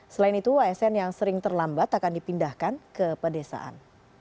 selain itu asn yang sering terlambat akan dipindahkan ke pedesaan